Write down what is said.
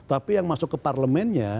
tapi yang masuk ke parlemennya